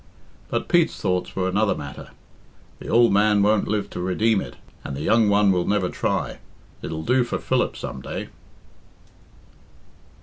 But Pete's thoughts were another matter. "The ould man won't live to redeem it, and the young one will never try it'll do for Philip some day."